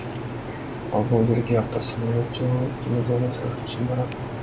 Ал бул жерге аптасына үч жолу гемодиализ алыш үчүн барат.